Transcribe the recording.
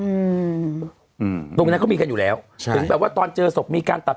อืมอืมตรงนั้นเขามีกันอยู่แล้วใช่ถึงแบบว่าตอนเจอศพมีการตัด